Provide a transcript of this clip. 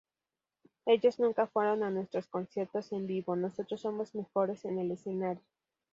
Ellos nunca fueron a nuestros conciertos en vivo; Nosotros somos mejores en el escenario".